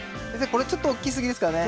これちょっと大きすぎですかね？